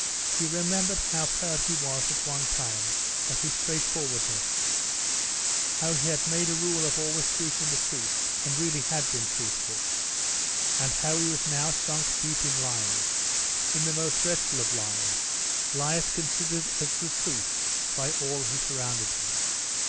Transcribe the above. He remembered how proud he was at one time of his straightforwardness, how he had made a rule of always speaking the truth, and really had been truthful; and how he was now sunk deep in lies: in the most dreadful of lies lies considered as the truth by all who surrounded him.